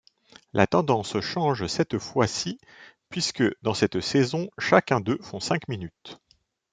La tendance change cette fois-ci puisque dans cette saison chacun d'eux font cinq minutes.